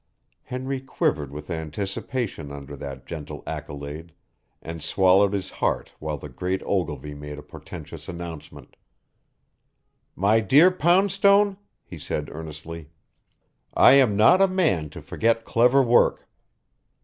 Henry quivered with anticipation under that gentle accolade and swallowed his heart while the great Ogilvy made a portentous announcement. "My dear Poundstone," he said earnestly, "I am not a man to forget clever work.